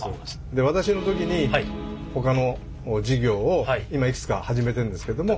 で私の時にほかの事業を今いくつか始めてんですけども。